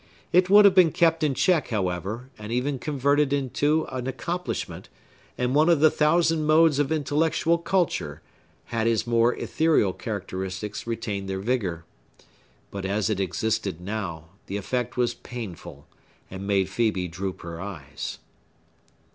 It would have been kept in check, however, and even converted into an accomplishment, and one of the thousand modes of intellectual culture, had his more ethereal characteristics retained their vigor. But as it existed now, the effect was painful and made Phœbe droop her eyes.